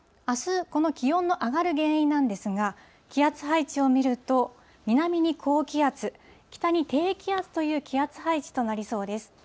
あす、この気温の上がる原因なんですが、気圧配置を見ると、南に高気圧、北に低気圧という気圧配置となりそうです。